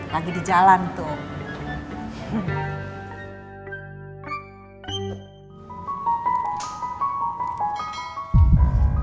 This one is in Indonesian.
lagi di jalan tuh